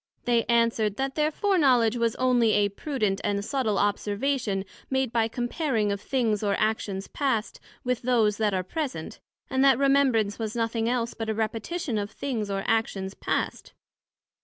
They answered, That their foreknowledg was onely a prudent and subtile Observation made by comparing of things or actions past, with those that are present; and that Remembrance was nothing else but a Repetition of things or actions past.